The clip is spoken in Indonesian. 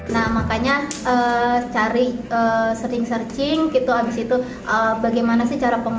nah makanya cari sering searching gitu abis itu bagaimana sih cara pengolahan